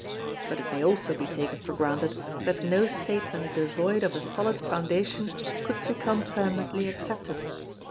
But it may also be taken for granted that no statement devoid of a solid foundation could become permanently accepted.